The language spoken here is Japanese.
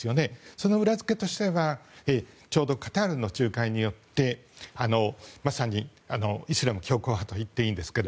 その裏付けとしてはちょうどカタールの仲介によってまさにイスラム強硬派と言っていいんですが